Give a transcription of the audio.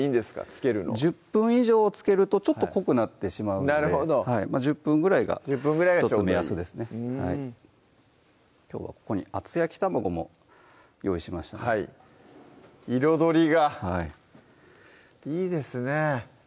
漬けるのは１０分以上漬けるとちょっと濃くなってしまうので１０分ぐらいが１つの目安ですねうんきょうはここに厚焼き玉子も用意しました彩りがはいいいですね